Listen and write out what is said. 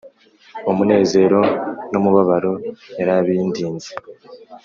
Umunezero n’umubabaro yarabindinze